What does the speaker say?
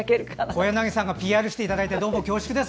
小柳さんがＰＲしていただいて恐縮です。